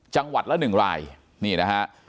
จังหวัดละ๑รายนี่นะฮะ